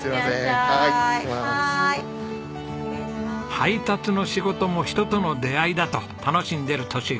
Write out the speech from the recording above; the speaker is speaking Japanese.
配達の仕事も人との出会いだと楽しんでいる敏之さんです。